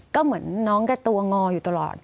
ก็เหมือนน้องก็ตัวงออยู่ตลอด